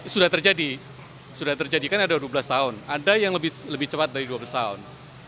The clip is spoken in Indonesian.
sudah terjadi sudah terjadi kan ada dua belas tahun ada yang lebih cepat dari dua belas tahun